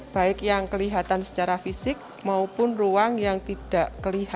baik yang kelihatan secara fisik maupun ruang yang tidak kelihatan